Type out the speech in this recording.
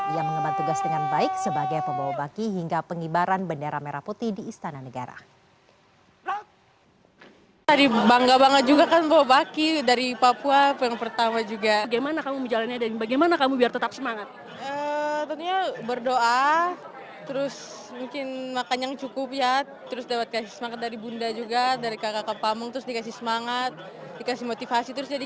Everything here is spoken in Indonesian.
ia mengembang tugas dengan baik sebagai pembawa baki hingga pengibaran bendera merah putih di istana negara